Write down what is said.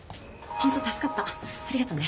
本当助かったありがとね。